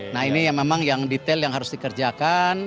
nah ini yang memang yang detail yang harus dikerjakan